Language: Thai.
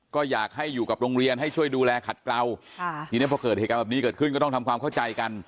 ก็อยากให้อยู่กับโรงเรียนให้ช่วยดูแลขัดเกลาค่ะทีนี้พอเกิดเหตุการณ์แบบนี้เกิดขึ้นก็ต้องทำความเข้าใจกัน